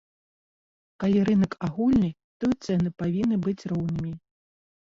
Калі рынак агульны, то і цэны павінны быць роўнымі.